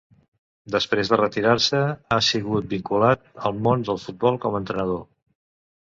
Després de retirar-se, ha seguit vinculat al món del futbol com a entrenador.